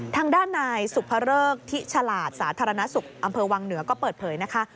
ทางด้านนายสุภเริกที่ฉลาดสาธารณสุขอำเภอวังเหนือก็เปิดเผยนะคะ